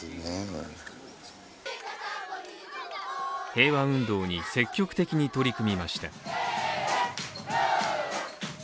平和運動に積極的に取り組みました。